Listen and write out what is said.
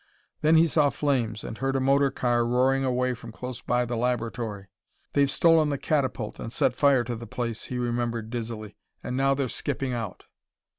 Then he saw flames, and heard a motor car roaring away from close by the laboratory. "They've stolen the catapult and set fire to the place," he remembered dizzily, "and now they're skipping out...."